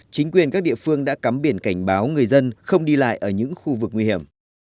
chính quyền các địa phương đã cắm biển cảnh báo người dân không đi lại ở những khu vực nguy hiểm